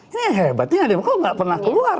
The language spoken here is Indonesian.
ini hebatnya demokrat nggak pernah keluar